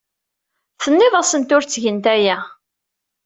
Tenniḍ-asent ur ttgent aya.